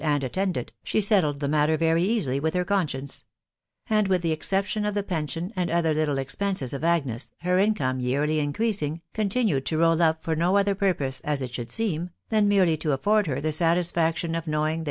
and attended, shot settled, the matter very easily with her conscienoe; and with* the exception of the: pension,, and otherr little expenses oT Agnes, hen income, yearly increasing^ controlled, to roll up* for no other purpose, as it should seen*, than merely > to airbrdher the satisfaetioo of knowing: that